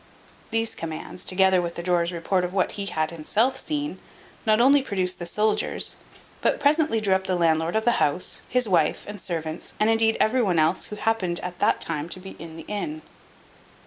These commands, together with the drawer's report of what he had himself seen, not only produced the soldiers, but presently drew up the landlord of the house, his wife, and servants, and, indeed, every one else who happened at that time to be in the inn.